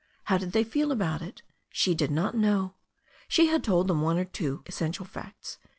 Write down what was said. How did they feel about it? She did not know. She had told them one or two essential facts.